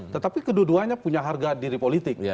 tetapi keduanya punya harga diri politik